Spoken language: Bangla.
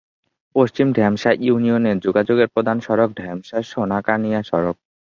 পশ্চিম ঢেমশা ইউনিয়নে যোগাযোগের প্রধান সড়ক ঢেমশা-সোনাকানিয়া সড়ক।